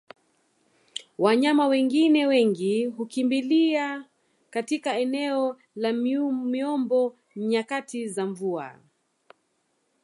Wanyama wengine wengi hukimbilia katika eneo la miombo nyakati za mvua